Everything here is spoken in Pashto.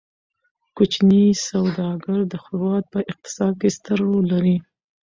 کوچني سوداګر د هیواد په اقتصاد کې ستر رول لري.